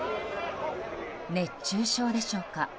熱中症でしょうか。